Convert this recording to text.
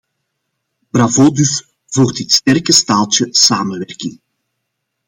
Bravo dus voor dit sterke staaltje samenwerking.